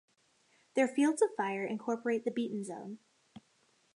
Their fields of fire incorporate the beaten zone.